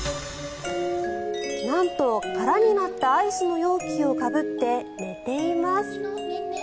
なんと空になったアイスの容器をかぶって寝ています。